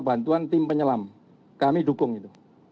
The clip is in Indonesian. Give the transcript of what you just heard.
bantuan tim penyelam kami dukung itu